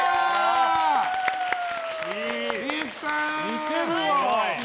似てるわ。